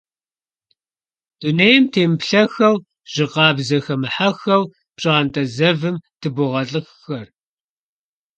Дунейм темыплъэхэу, жьы къабзэ хэмыхьэххэу пщӀантӀэ зэвым дыбогъэлӀыххэр.